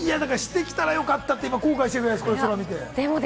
干してきたらよかったって後悔してるぐらいです、空見て。